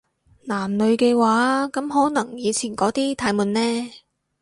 男女嘅話，噉可能以前嗰啲太悶呢